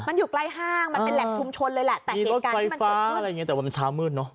มันอยู่ใกล้ห้างมันเป็นแหลกชุมชนเลยแหละมีรถไฟฟ้าอะไรอย่างเงี้ยแต่ว่ามันช้าเมื่อนเนอะ